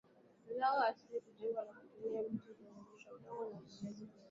zao za asili zinajengwa kwa kutumia miti kugandikwa kwa udongo wa mfinyanzi na kuezekwa